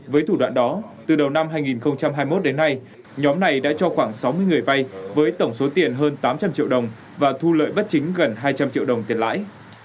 với thủ đoạn đó từ đầu năm hai nghìn hai mươi một đến nay nhóm này đã cho khoảng sáu mươi người vay với tổng số tiền hơn tám trăm linh triệu đồng và thu lợi bất chính gần hai trăm linh triệu đồng tiền lãi